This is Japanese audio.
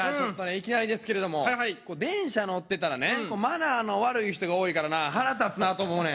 いきなりですけれども電車乗ってたらねマナーの悪い人が多いからな腹立つなと思うねん。